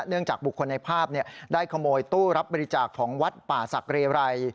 เนื่องจากบุคคลในภาพเนี่ยได้ขโมยตู้รับบริจาคของวัดป่าสักเรราย